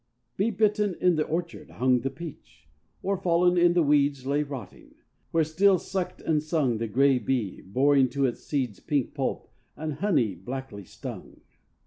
Bee bitten in the orchard hung The peach; or, fallen in the weeds, Lay rotting: where still sucked and sung The gray bee, boring to its seed's Pink pulp and honey blackly stung.